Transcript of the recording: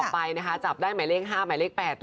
ไม่ได้เห็นและเขาไม่รู้